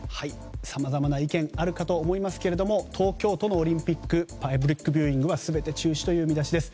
さまざまな意見あるかと思いますが東京都のオリンピックパブリックビューイングは全て中止という見出しです。